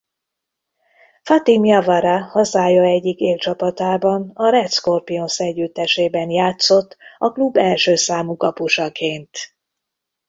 Fatim Jawara hazája egyik élcsapatában a Red Scorpions együttesében játszott a klub elsőszámú kapusaként.